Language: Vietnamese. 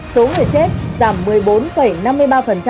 số người chết giảm một mươi bốn năm mươi ba